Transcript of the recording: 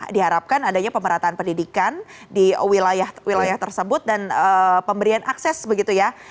diharapkan adanya pemerataan pendidikan di wilayah wilayah tersebut dan pemberian akses begitu ya